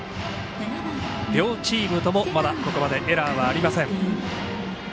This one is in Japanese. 両チームともまだここまでエラーはありません。